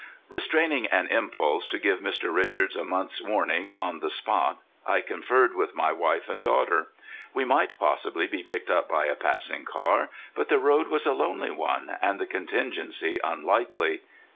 Restraining an impulse to give Mr. Richards a month's warning on the spot, I conferred with my wife and daughter. We might possibly be picked up by a passing car, but the road was a lonely one and the contingency unlikely.